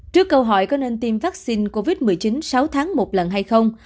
trước câu hỏi có nên tiêm vaccine covid một mươi chín sáu tháng một lần hay không